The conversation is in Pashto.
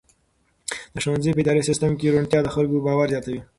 د ښوونځي په اداري سیسټم کې روڼتیا د خلکو باور زیاتوي.